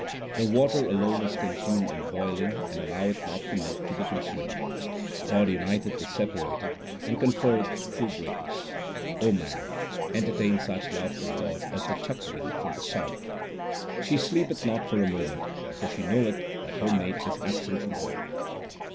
The water alone is consumed in boiling and alloweth not the milk to be consumed. God uniteth the separated, and conferreth true greatness. man, entertain such love for God as the chakwi 1 for the sun. She sleepeth not for a moment, for she knoweth that her mate is absent from her.